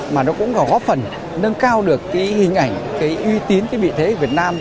mà nó cũng góp phần nâng cao được cái hình ảnh cái uy tín cái vị thế việt nam